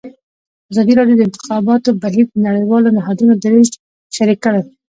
ازادي راډیو د د انتخاباتو بهیر د نړیوالو نهادونو دریځ شریک کړی.